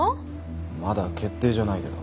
まだ決定じゃないけど。